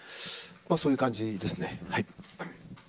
そういう感じですね。